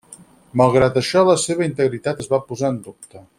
Malgrat això la seva integritat es va posar en dubte.